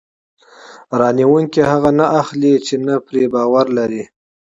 پیرودونکی هغه نه اخلي چې نه پرې باور لري.